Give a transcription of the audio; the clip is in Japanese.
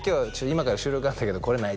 「今から収録あるんだけど来れない？」